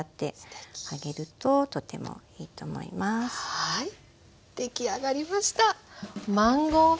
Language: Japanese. はい出来上がりました。